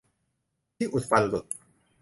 ที่อุดฟันหลุด ! :'